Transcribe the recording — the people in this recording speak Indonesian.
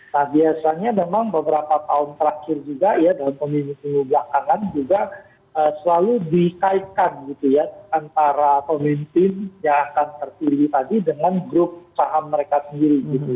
nah biasanya memang beberapa tahun terakhir juga ya dalam pemilu pemilu belakangan juga selalu dikaitkan gitu ya antara pemimpin yang akan terpilih tadi dengan grup saham mereka sendiri gitu